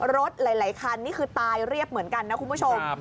รถหลายคันนี่คือตายเรียบเหมือนกันนะคุณผู้ชม